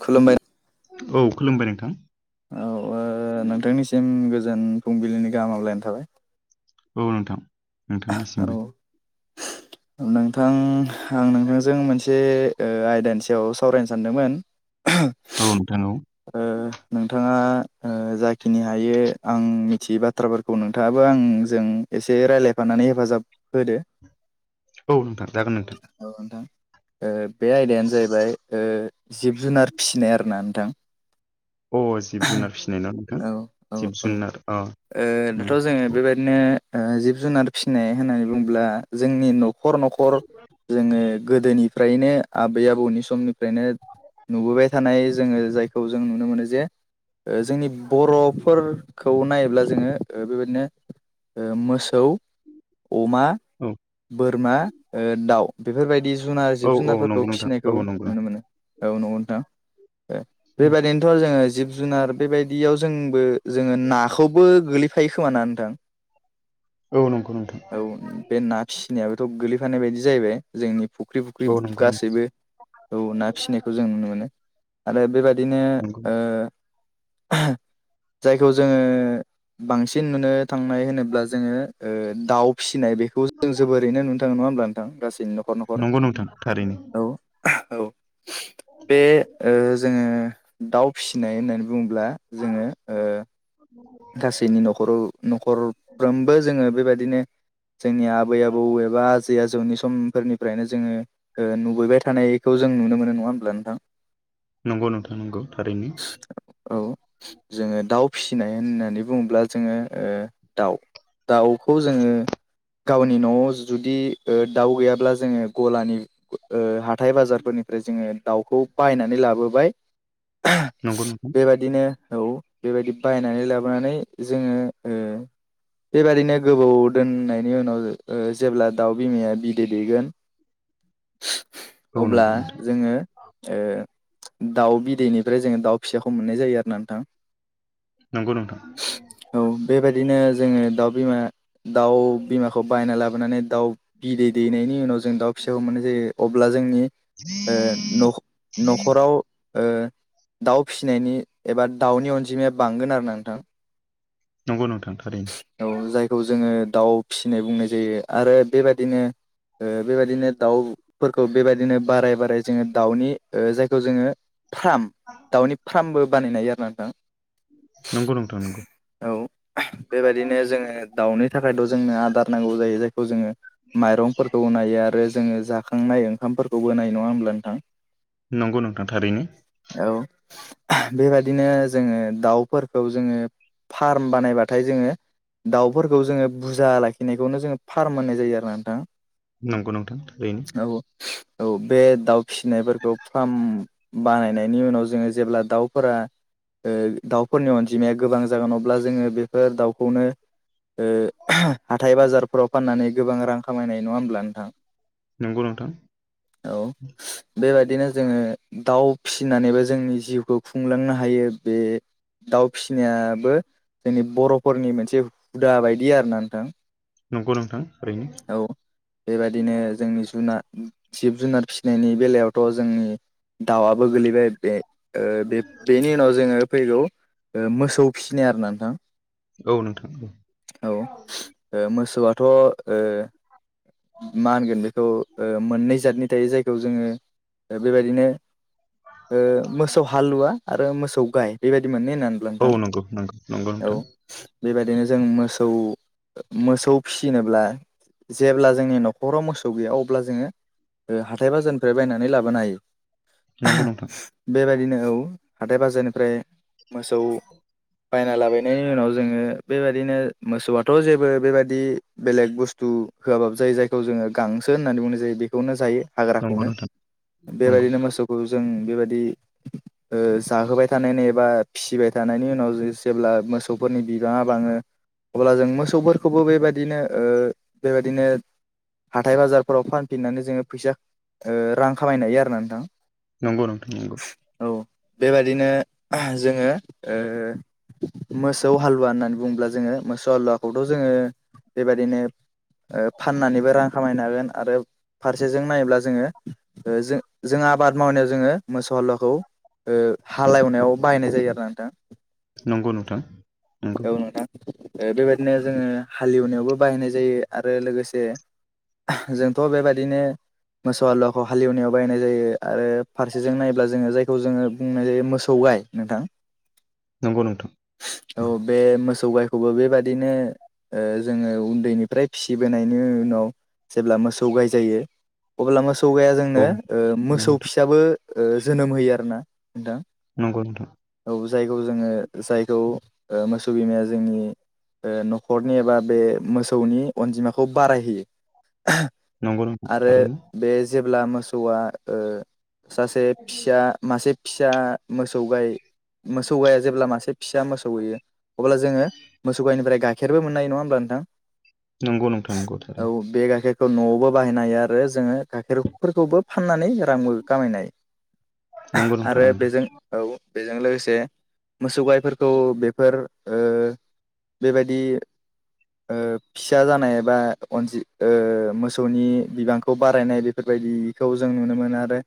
खुलुमबाय औ खुलुमबाय नोंथां औ ओ नोंथांनिसिम गोजोन फुंबिलिनि गाहाम हामलायनाय थाबाय औ नोंथां औ नोंथांनिसिमबो नोंथां आं नोंथांजों मोनसे ओ आयदानि सायाव सावरायनो सानदोंमोन औ नोंथां औ ओ नोंथाङा ओ जाखिनि हायो आं मिथियै बाथ्राफोरखौ नोंथाङाबो आंजों एसे रायज्लायफानानै हेफाजाब होदो औ नोंथां जागोन नोंथां औ नोंथां ओ बे आयदायानो जाहैबाय ओ जिब जुनार फिसिनाय आरोना नोंथां अ जिब जुनार फिसिनाय ना नोंथां औ औ जिब औ जुनार अ ओ दाथ' उम, जोङो बेबायदिनो ओ जिब जुनार फिसिनाय होननानै बुङोब्ला जोंनि न'खर न'खर जोङो गोदोनिफ्रायनो आबै आबौनि समनिफ्रायनो नुबोबाय थानाय जोङो जाय खौ जों नुनो मोनो जे ओ जोंनि बर'फोरखौ नायोब्ला जोङो ओ बेबायदिनो ओ मोसौ अमा औ बोरमा दाउ बेफोरबायदि जिब जुनार औ जिब औ जुनारफोरखौ नंगौ नोंथां औ फिसिनायखौ नंगौ नुनो नोंथां मोनो औ नंगौ नोंथां उम, बेबायदिनोथ' जोङो जिब जुनार बेबायदियाव जोंबो जोङो नाखौबो गोल्लै फायो खोमा ना नोंथां औ नंगौ नोंथां औ बे ना फिस नायाबोथ' गोगलैफानाय बायदि जाहैबाय जोंनि फुख्रि फुख्रि औ नंगौ नोंथां गासैबो औ ना फिसिनायखौ जों नुनो मोनो आरो बेबादि बिदिनो नंगौ ओ जायखौ जोङो बांसिन नुनो थांनाय होनोब्ला जोङो ओ दाउ फिसिनाय बेखौ जों जोबोरैनो नुनो थाङो नङा होमब्ला नोंथां गासै न'खर न'खर नंगौ नोंथां थारैनो औ औ बे ओ जोङो दाउ फिसिनाय होननानै बुंब्ला जोङो ओ गासैनि न'खराव न'खरफ्रोमबो जोङो बेबायदिनो जोंनि आबै आबौ एबा आजै आजौनि समफोरनिफ्रायनो जोङो ओ नुुबबाय थानायखौ जों नुनो मोनो नङा होमब्ला नोंथां नंगौ नोंथां नंगौ थारैनो औ जोङो दाउ फिसिनाय होननानै बुङोब्ला जोङो ओ दाउ दाउखौ जोङो गावनि न'आव जुदि ओ दाउ गैयाब्ला जोङो गलानि ओ हाथाय बाजारफोरनिफ्राय जोङो दाउखौ बायनानै लाबोबाय नंगौ नंगौ बेबायदिनो औ बेबायदि बायनानै लाबोनानै जोङो बेबादिनो गोबाव दोननायनि उनाव जेब्ला दाउ बिमाया बिदै दैेगोन औ अब्ला नंगौ नोंथां जोङो दाउ बिदैनिफ्राय जोङो दाउ फिसाखौ मोननाय जायो आरो ना नोंथां नंगौ नोंथां औ बेबायदिनो जोङो दाउ बिमा दाउ बिमाखौ बायना लाबो माबानानै दाउ बिदै दैनायनि उनाव जों दाउ फिसाखौ मोननाय जायो अब्ला जोंनि न'खराव दाउ फिसिनायनि एबा दाउनि अनजिमाया बांगोन आरोा नोंथां नंगौ नोंथां थारैनो औ जायखौ जोङो दाउ फिसिनाय बुंनाय जायो आरो बेबायदिनो बेबायदिनो दाउफोरखौ बेबायदिनो बाराय बाराय जोङो दाउनि जायखौ जोङो फार्म दाउनि फार्मबो बानायनाय आरो ना नोंथां नंगौ नंथां नंगौ औ बेबायदिनो जोङो दाउनि थाखायथ' जोंनो आदार नांगौ जायो जायखौ जोङो माइरंफोरखौ नायो आरो जोङो जाखांनाय ओंखामफोरखौबो नाय नङा होमब्ला नोंथां नंगौ नोंथां थारैनो बेबायदिनो जोङो दाउ फोरखौ जोङो फार्म बानायबाथाय जोङो दाउफोरखौ जोङो बुरजा लाखिनायखौनो जोङो फार्म होननाय जायो आरो नोंथां नंगौ नोंथां थओरैनो औ औ बे दाउ फिसिनायफोरखौ फार्म बानाय नोंनि उनाव जोङो जेब्ला दावफोरा ओ दाव फोरनि अनजिमाया गोबां जागोन अब्ला जोङो बेफोर दाउखौनो हाथाय बाजारफोराव फाननानै गोबां रां खामायनाय नङा होमब्ला नोंथां नंगौ नोंथां औ बेबायाददिनो जोङो दाउ फिसिनानैबा जोंनि जिउखौ खुंलांनो हायो बे दाउ फिसिनायाबो जोंनि बर'फोरनि मोनसे हुदा बायदि आर ना नोंथां नंगौ नोंथां ओरैनो औ बेबादिनो जोंनि जुनाद जिब जुनार फिसिनायनि बेलायावथ' जोंनि दाउआबो गोलैबाय बे बे बेनि उनाव जोङो फैगौ मोसौ फिसिनाय आरो नोंथां औ नोंथां औ औ मोसौआथ' मा होनगोन बेखौ मोननै जादनि थायो जायखौ जोङो बेबायदिनो मोसौ हालुवा आरो मोसौ गाय बेबायदि मोनन होननानै ल नोंथां औ नंगौ नंगौ नंगौ औ नोंथां बेबायदिनो जों मोसौ मोसौ फिसिनोब्ला जेब्ला जोंनि न'खराव मोसौ गैया अब्ला जोङो हाथाय बाजारनिफ्राय बायनानै लाबोनो हायो नंगौ नोंथां बेबायदिनो औ हाथथाय बाजारनिफ्राय मोसौ बायना लाबायनायनि उनाव जोङो बेबायदिनो मोसौआथ' जेबो बेबायदि बेलेग बुस्थु होआबाबो जायो जायखौ जोङो गांसो होननानै बुंनाय जायो बेखौनो जायो नंगौ हाग्राखौनो नोंथां नंगौ बेबायदिनो मोसौखौ जों बेबायदि ओ जाहोबाय थानाय नै एबा फिसिबाय थानायनि उनाव जे-जेब्ला मोसौफोरनि बिबाङा बाङो अब्ला जों मोसौफोरखौबो बेबायदिनो बेबायदिनो हाथाय बाजारफोराव फानफिननानै जोङो फैसा रां ओ खामायनो हायो आरो ना नोंथां नंगौ नंथां नंगौ औ बेबादिनो जोङो मोसौ हालुवा होननानै बुङोब्ला जोङो मोसौ हालुवाखौथ' जोङो बेबायदिनो ओ फाननानैबो रां खामायनो हागोन आरो फारसे ज नायोब्ला जोङो जों आबाद मावनायाव जोङो मोसौ हालुवाखौ ओ हालेवनायाव बाहायनाय जायो आरो नोंथां नंगौ नोंथां नंगौ औ नोंथां बेबायदिनो जोङो हालेवनायावबो बाहायनाय जायो आरो लोगोसे जोंथ' बेबायदिनो मोसौ हालुवाखौ हालेवनायाव बायनाय जायो आरो फारसेजों नायोब्ला जोङो जायखौ जोङो बुंनाय जायो मोसौ गाय नोंथां नोंगौ नोंथां औ बे मोसौ गायखौबो बेबादिनो ओ जोङो उन्दैनिफ्राय फिबोनायनि उनाव जेब्ला मोसौ गाय जायो अब्ला मोसौ गाया औ जोंनो ओ मोसौ फिसाबो ओ जोनोम होयो आरोना नोंथां नोंगौ नोथां औ जायखौ जोङो जायखौ ओ मोसौ बिमाया जोंनि ओ न'खरनि एबा बे मोसौनि अनजिमाखौ बारायहैयो [unintelligible] नंगौ नोंथां नंगौ नोंथां आरो थारैनो बे जे अब्ला मोसौआ ओ सासे फिसा मासे फिसा मोसौ गाय मोसौ गाया जेब्ला मासे फिसा मोसौ होयो अब्ला जोङो मोसौ गाइनिफ्राय गाइखेरबो मोननाय नङा होमब्ला नोंथां नोंगौ नोंथां नोंगौ थार खौ न'आवबो बाहायनो हायो आरो जोङो गाइखेरफोरखौबो फाननानै रांबो खामायनायहायो। नंगौ नोंथां आरो नंगौ बेजों औ बेजों लोगोसे बे मोसौ गाइफोरखौ बेफोर ओ बेबायदि ओ फिसा जानाय बा अनजि मोसौनि बिबांखौ बारायनाय बेफोर बायदिखौ जों नुनो मोन आरो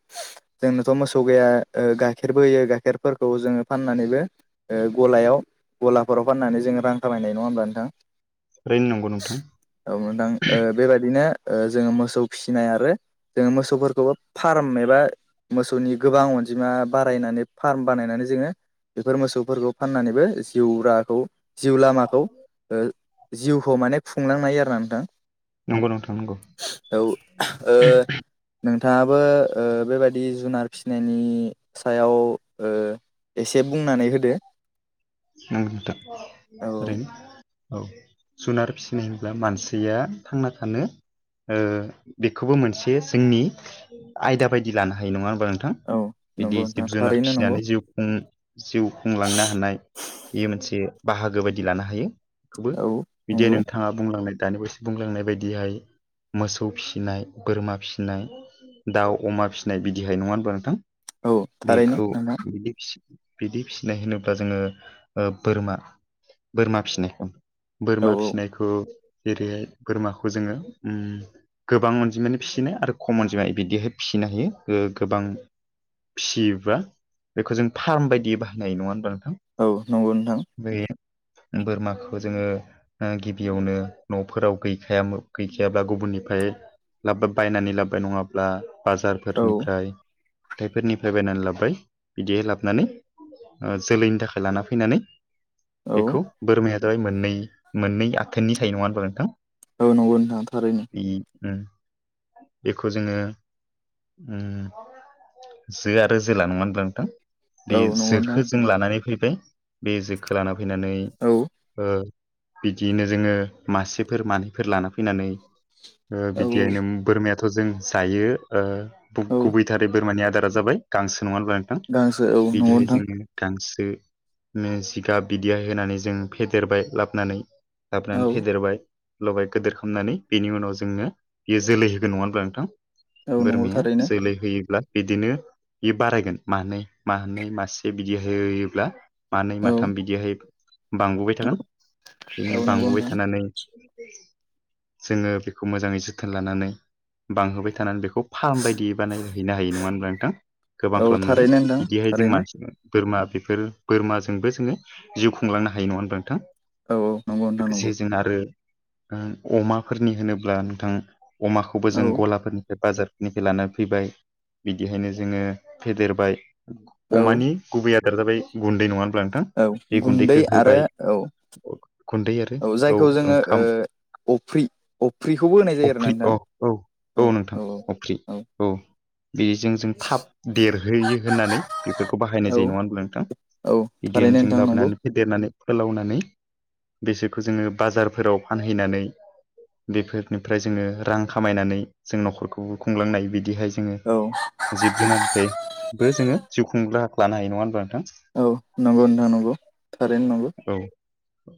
जोंनोथ' मोसौ गैया गाइखेरबो होयो गाइखेरफोरखौ जोङो फाननानैबो गलायाव गलाफोराव फाननानै जोङो रां खामायनाय नङा होमब्ला नोंथां थारैनो नंगौ नोंथां [unintelligible] औ नोंदां बेबायदिनो ओ जोङो मोसौ फिनाय आरो जोङो मोसौफोरखौबो फार्म एबा मोसौनि गोबां अनजिमा बारायनानै फार्म बानायनानै जोङो बेफोर मोसौफोरखौ फाननानैबो जिउ राखौ जिउ लामाखौ ओ जिउखौ माने खुंलांनाय हायो आरो ना नोंथां। नंगौ नोंथां नंगौ [unintelligible] औ [unintelligible] ओ नों थाङाबो ओ बेबायाददि जुनार फिनायनि सायाव ओ एसे बुंनानै होदो [unintelligible] नोंथां औ ओरैनो औ जुनार फिसिनाय होनब्ला मानसिया थांना थानो ओ बेखौबो मोनसे जोंनि आयदा बायदि लानो हायो नङा नोंथां औ नंगौ बिदि नोंथां जिब जुनार थारैनो नंगौ फिनानै जिउ खुं जिउ खुंलांनो हानाय बेयो मोनसे बाहागो बायदि लानो हायो बेखौबो औ बिदि नंगौ नोंथाङा बुंलांनाय दानि बसो बुंलांनाय बायदिहाय मोसौ फिनाय बोरमा फिनाय दाउ अमा फिनाय बिदिहाय नङा होनबा नोंथां औ थारैनो बेखौ नोंथां बिदि बिदि फिसिनाय होनोब्ला जोङो ओ बोरमा बोरमा फिनाय औ बोरमा फिसिनायखौ जेरैहाय बोरमाखौ जोङो उम गोबां अनजिमायानो फिसिनो आरो खम अनजिमाया बिदिहाय फि फिनो हायो ओ गोबां फियोबा बेखौ जों फार्म बायदि बाहायनाय नङा होनबा नोंथां? औ नंगौ नोंथां बे बोरमाखौ जोङो ओ गिबियावनो न'फोराव गैखायामोन गैखायाब्ला गुबुननिफाय लाबा बायनानै लाब्बाय नङाब्ला औ बाजारफोरनिफ्राय हाथायफोरनिफ्राय बायनानै लाबोबाय बिदिहै लाबोनानै जोलैनि थाखाय लाना फैनानै औ बेखौ बोरमाया जाबाय मोननै मोननै आथोननि थायो नङा होनबा नोंथां औ नंगौ नोंथां थारैनो। बे उम बेखौ जोङो ओम जो आरो जोला नङा होमबा नोंथां। बे औ नंगौ जोखो नोंथां जों लानानै फैबाय बे जोखो लाना फैनानै औ ओ बिदियैनो जोङो मासेफोर मानैफोर लाना फैनानै ओ औ बिदियैनो बोरमायाथ' जों जायो। ओ औ औ गुबैथारै बोरमानि आदारा जाबाय गांसो नङा होनब्ला नोंथां। गांसो औ नंगौ बिदिहाय नोंथां जों गांसो नो जिगाब बिदिहाय होनानै जों फेदेरबाय लाबोनानै। औ गाबनानै फेदेरबाय लबाय गेदेर खालामनानै बेनि उनाव जोंनो बियो जोलै होगोन नङा होनब्ला औ नोंथां। नंगौ बोरमाया थारैनो जोलै होयोब्ला बिदिनो बे बारायगोन मानैै मानैै मासे बिदि होयोब्ला मानै औ माथाम बिदिहाय बांबोबाय थागोन। औ बिदिनो नंगौ बांबोबाय नोंथां थानानै जोङो बेखौ मोजाङै जोथोन लानानै बांहोबाय थानानै बे खौ फार्म बायदियै बानायहैनो हायो नङा होनब्ला नोंथां। गोबां औ खालामनानै थारैनो नोंथां बिदिहाय जों थारैनो मानसि बोरमा बेफोर बोरमाजोंबो जोङो जिउ खुंलांनो हायो नङा होनबा नोंथां। औ औ नंगौ नोंथां नंगौ लोगोसे जोंना आरो अमाफोरनि होनोब्ला नोंथां अमाखौबो औ जों गलाफोरनि बे बाजारनिफ्राय लानानै फैबाय, बिदिहायनो जोङो फेदेरबाय। औ अमानि गुबै आदारा जाबाय गुन्दै नङा होब्ला नोंथां। औ बे गुन्दै गुन्दैखौ आरो होबाय औ गुन्दै आरो औ जायखौ जोङो ओंखाम अफ्रि अफ्रिखौबो होनाय जायो आरोना अफ्रि औ नोंथां। औ औ नोंथां। अफ्रि औ बेजों जों थाब देरहोयो होननानै बेफोरखौ बाहायनाय औ जायो नङा होनोमब्ला नोंथां। औ बिदिनो थारैनो जों नोंथां नंगौ लाबोनानै फेदेरनानै फोलावनानै बेसोरखौ जोङो बाजारफोराव फानहैनानै बेफोरनिफ्राय जोङो रां खामायनानै जों न'खरखौबो खुंलांनाय बिदिहाय जोङो औ जिब-जुनारनिफ्रायबो जोङो जिउ खुंनो राहाखौ लानो हायो नङा होनबा नोंथां। औ नंगौ नथां नंगौ थारैनो नंगौ। औ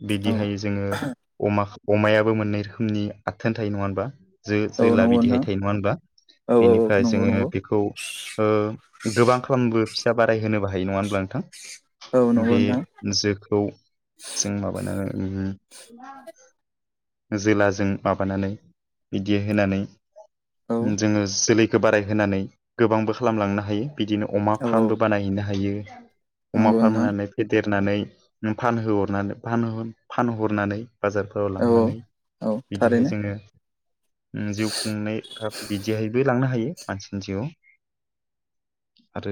बिदिहाय जोङो अमा अमायाबो मोननै रोखोमनि आथोन थायो नङा होम्बा। जो औ जोला बिदिहाय थायो नङा होनबा। बेनिफ्राय नंगौ नोंथां जोङो बेखौ ओ गोबां खालामबो [unintelligible] बाराय होनोबो हायो नङा होमब्ला नोंथां। बे जोखौ जों माबानानै उ जोलाजों माबानानै बिदि होनानै औ जोङो जोलैखौ बारायहोनानै गोबांबो खालामलांनो हायो। बिदिनो अमा औ नंगौ औ नंगौ नोंथां औ फार्मबो बानायहैनो हायो। अमा नंगौ नोंथां फाननानै फेदेरनानै फानहोहरनानै फान फानहरनानै बाजारफोराव औ लांनानै औ बिदिहाय थारैनो जोङो जिउ खुंनाय बिदिहायबो लांनो हायो। मानसिनि जिउ। आरो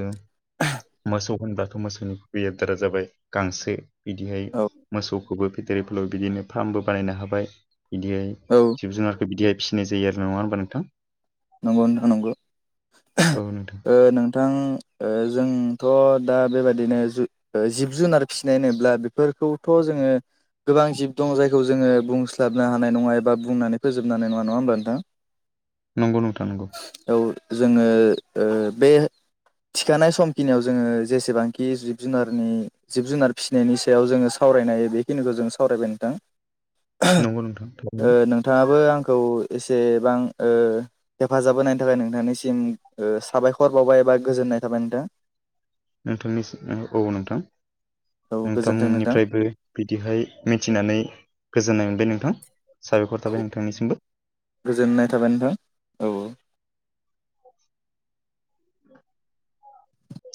मोसौ होनबा गथ' मोसौनि बेय दारा जाबाय गांसो बिदिहाय औ मोसौ खौबो बिदिनो फार्मबो बानायनो हाबाय बिदियाय औ जिब-जुनार बिदिहाय फिसिनाय जायो नङा होनबा नोंथां। नंगौ नोथां नंगौ। औ नोंथां ओ नों थां जोंथ' दा बेबाददिनो जिब-जुनार फिसिनाय होनोब्ला बेफोर खौथ' जोङो गोबां जिब दङ जायखौ जोङो बुंस्लाब बुंनो हानायङा एबा बुंनानै फोजोबनो हानाय नङा नङा होमब्ला नोंथां। नंगौ नोंथा नंगौ। औ जोङो ओ बे थिखानाय समखिनियाव जोङो जेसेबांखि जिब-जुनारनि जिब-जुनार फिसिनायनि सायाव जोङो सावरायनाय बेखिनिखौ जों सावरायबाय नोंथां नंगौ नोंथां ओ थारैनो नोंथाङाबो आंखौ एसेबां ओ हेफाजाब होनायनि थाखाय नोंथांनिसिम उह साबायखर बावबाय एबा गोजोननाय थाबाय नोंथां नोंथांनिसिम औ नोंथां औ गोजोन्थों नोंथां। नोंथांनिफ्रायबो बिदिहाय मिथिनानै गोजोननाय मोनबाय नोंथां। साबायखर औ थाबाय नोंथांनिसिमबो गोजोननाय थाबाय नोंथां औ औ